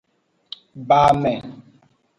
Ba ame.